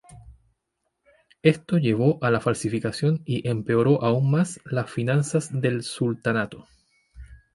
Esto llevó a la falsificación y empeoró aún más las finanzas del sultanato.